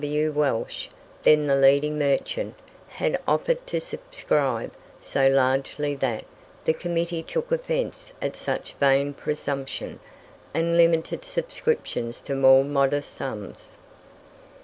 P.W. Welsh, then the leading merchant, had offered to subscribe so largely that the committee took offence at such vain presumption, and limited subscriptions to more modest sums.